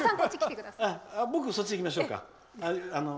僕、そっち行きましょうか。